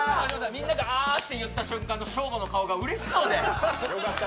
みんなが、ああって言った瞬間のショーゴの顔がマジでうれしそうで。